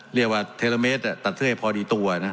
เรียกว่าเทลเมตรตัดเสื้อให้พอดีตัวนะ